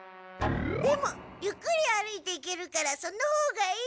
でもゆっくり歩いていけるからそのほうがいい。